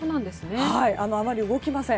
あまり動きません。